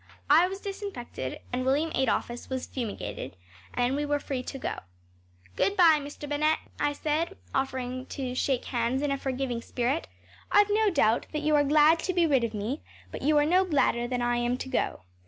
I was disinfected and William Adolphus was fumigated, and then we were free to go. “Good bye, Mr. Bennett,‚ÄĚ I said, offering to shake hands in a forgiving spirit. “I’ve no doubt that you are glad to be rid of me, but you are no gladder than I am to go.